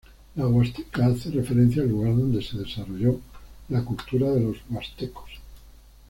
La Huasteca hace referencia al lugar donde se desarrolló la cultura de los Huastecos.